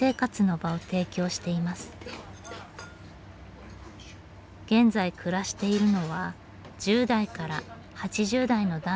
現在暮らしているのは１０代から８０代の男女１７人。